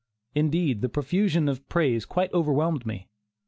Indeed, the profusion of praise quite overwhelmed me.